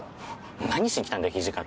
何しに来たんだよ土方。